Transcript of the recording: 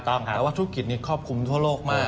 แต่ว่าธุรกิจนี้ครอบคลุมทั่วโลกมาก